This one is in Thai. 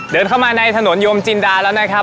เดินเข้ามาในถนนโยมจินดาแล้วนะครับ